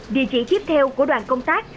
địa chỉ tiếp theo của đoàn công tác